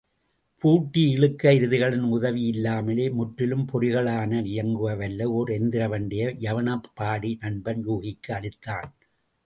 பூட்டி இழுக்க எருதுகளின் உதவியில்லாமலே, முற்றிலும் பொறிகளினால் இயங்கவல்ல ஒர் எந்திர வண்டியை, யவனப்பாடி நண்பன் யூகிக்கு அளித்தான்.